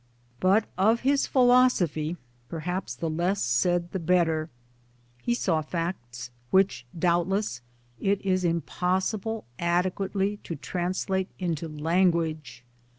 But of his philosophy perhaps the less said the better. He saw facts which doubtless it is impossible adequately to translate into language.